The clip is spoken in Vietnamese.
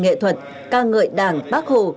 nghệ thuật ca ngợi đảng bác hồ